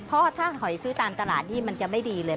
เพราะถ้าหอยซื้อตามตลาดนี่มันจะไม่ดีเลย